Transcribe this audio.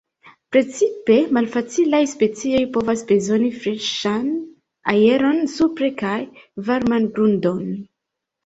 Precipe malfacilaj specioj povas bezoni freŝan aeron supre kaj varman grundon.